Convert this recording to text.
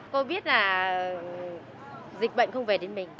cô biết là dịch bệnh không có gì